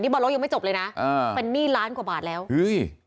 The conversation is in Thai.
บอลโลกยังไม่จบเลยนะอ่าเป็นหนี้ล้านกว่าบาทแล้วเฮ้ย